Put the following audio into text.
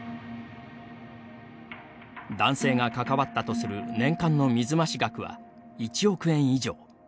男性が関わったとする年間の水増し額は１億円以上。